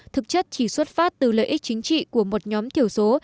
thực chất chỉ xuất phát từ lợi ích chính trị của một nhóm thiểu số